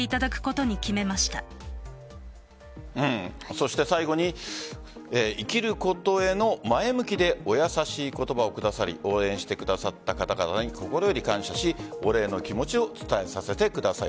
そして最後に生きることへの前向きでお優しい言葉をくださり応援してくださった方々に心より感謝しお礼の気持ちを伝えさせてください。